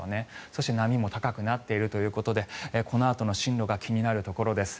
そして波も高くなっているということでこのあとの進路が気になるところです。